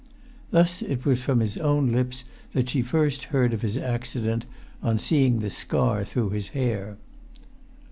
Thus it was from his own lips that she first heard of his accident, on seeing the scar through his hair.